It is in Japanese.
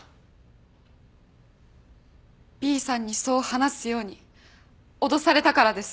Ｂさんにそう話すように脅されたからです。